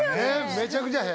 めちゃくちゃ変！